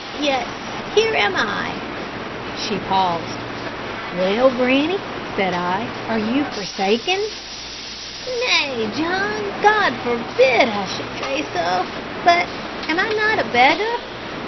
Yet here am I " She paused. "Well, granny," said I, "are you forsaken?" "Nay, John, God forbid that I should say so; but am I not a beggar?